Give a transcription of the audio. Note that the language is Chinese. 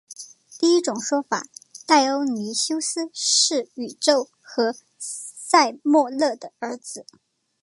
第一种说法戴欧尼修斯是宙斯和塞墨勒的儿子。